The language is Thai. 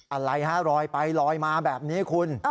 อะไรฮะลอยไปลอยมาแบบนี้คุณ